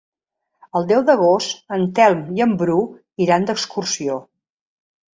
El deu d'agost en Telm i en Bru iran d'excursió.